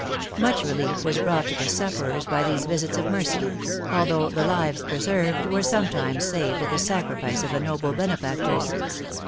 Much relief was brought to the sufferers by these visits of mercy; although the lives preserved were sometimes saved at the sacrifice of the noble benefactors.